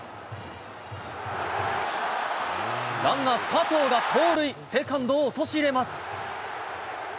ランナー、佐藤が盗塁、セカンドをおとしいれます。